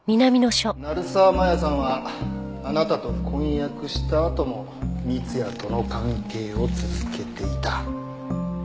成沢真弥さんはあなたと婚約したあとも三ツ矢との関係を続けていた。